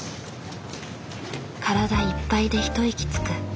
体いっぱいで一息つく。